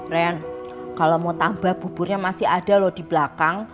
rean kalau mau tambah buburnya masih ada loh di belakang